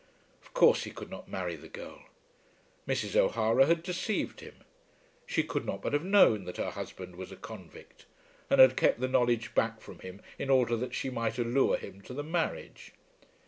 Of course he could not marry the girl. Mrs. O'Hara had deceived him. She could not but have known that her husband was a convict; and had kept the knowledge back from him in order that she might allure him to the marriage.